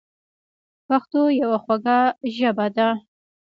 پښتو یوه خوږه ژبه ده.